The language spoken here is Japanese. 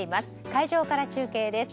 会場から中継です。